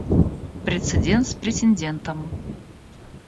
Прецедент с претендентом.